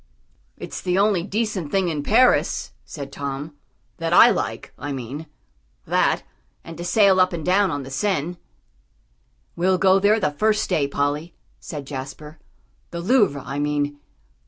"It's the only decent thing in Paris," said Tom, "that I like, I mean; that, and to sail up and down on the Seine." "We'll go there the first day, Polly," said Jasper, "the Louvre, I mean.